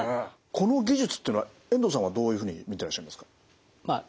この技術っていうのは遠藤さんはどういうふうに見てらっしゃいますか？